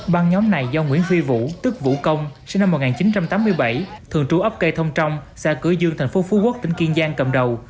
băng nhóm này do nguyễn phi vũ tức vũ công sinh năm một nghìn chín trăm tám mươi bảy thường trú ấp cây thông trong xã cửa dương tp phú quốc tỉnh kiên giang cầm đầu